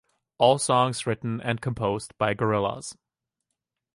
All songs written and composed by Gorillaz.